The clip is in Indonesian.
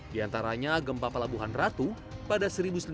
diantaranya gempa pelabuhan ratu pada seribu sembilan ratus